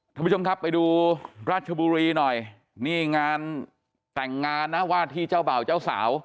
ท่านผู้ชมครับไปดูราชบุรีหน่อยนี่งานแต่งงานนะว่าที่เจ้าบ่าวเจ้าสาว